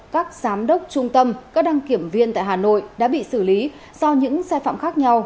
các giám đốc trung tâm các đăng kiểm viên tại hà nội đã bị xử lý do những sai phạm khác nhau